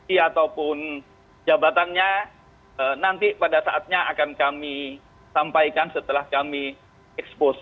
i ataupun jabatannya nanti pada saatnya akan kami sampaikan setelah kami expose